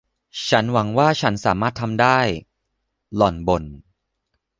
ฉันหวังว่าฉันสามารถทำได้ หล่อนบ่น